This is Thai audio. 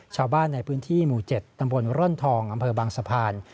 ชาวบ้านในพื้นที่หมู่๗ตำบลร่อนทองอำเภอบางสะพาน